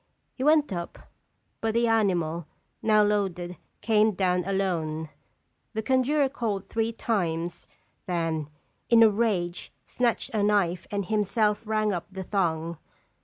He went up, but the animal, now loaded, came down alone. The conjurer called three times ; then, in a rage, snatched a knife and himself ran up the thong.